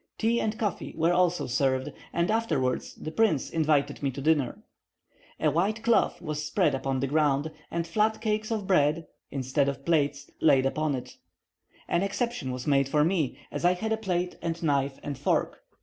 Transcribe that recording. Tea and coffee were also served, and afterwards the prince invited me to dinner. A white cloth was spread upon the ground, and flat cakes of bread, instead of plates, laid upon it: an exception was made for me, as I had a plate and knife and fork.